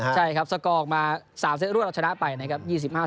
ใช่ครับสกอร์ออกมา๓เซตรวดเราชนะไปนะครับ